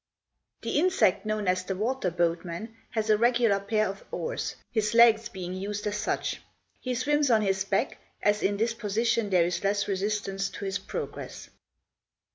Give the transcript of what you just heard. The insect known as the water boatman has a regular pair of oars, his legs being used as such. He swims on his back, as in this position there is less resistance to his progress.